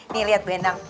nih liat bu endang